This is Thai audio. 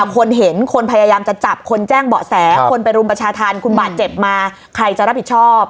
คนเห็นคนพยายามจะจับคนแจ้งเบาะแสคนไปรุมประชาธรรมคุณบาดเจ็บมาใครจะรับผิดชอบ